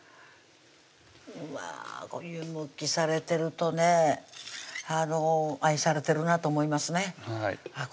これ湯むきされてるとね愛されてるなと思いますねあっ